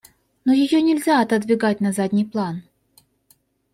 Но ее нельзя отодвигать на задний план.